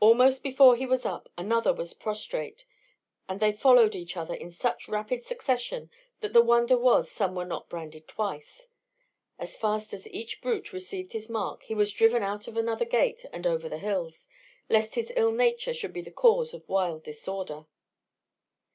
Almost before he was up another was prostrate; and they followed each other in such rapid succession that the wonder was some were not branded twice. As fast as each brute received his mark he was driven out of another gate and over the hills, lest his ill nature should be the cause of wild disorder.